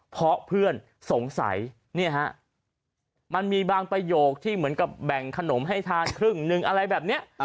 เพราะเพื่อนสงสัยเนี่ยฮะมันมีบางประโยคที่เหมือนกับแบ่งขนมให้ทานครึ่งหนึ่งอะไรแบบนี้